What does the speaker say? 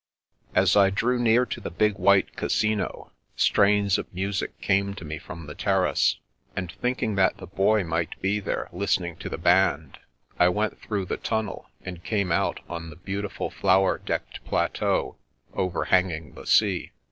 As I drew near to the big white Casino, strains of music came to me from the terrace, and thinking that the Boy might be there listening to the band, I went through the tunnel and came out on the beauti ful flower decked plateau overhanging the sea.